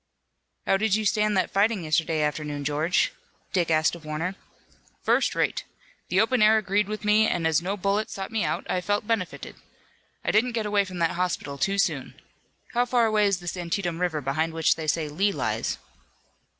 "How did you stand that fighting yesterday afternoon, George?" Dick asked of Warner. "First rate. The open air agreed with me, and as no bullet sought me out I felt benefited. I didn't get away from that hospital too soon. How far away is this Antietam River, behind which they say Lee lies?"